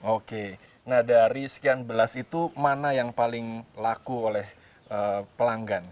oke nah dari sekian belas itu mana yang paling laku oleh pelanggan